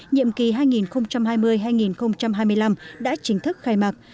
nhiệm kỳ hai nghìn hai mươi hai nghìn hai mươi năm đã chính thức khai mạc